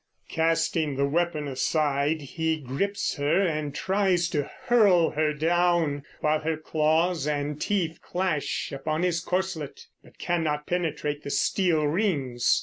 Casting the weapon aside, he grips her and tries to hurl her down, while her claws and teeth clash upon his corslet but cannot penetrate the steel rings.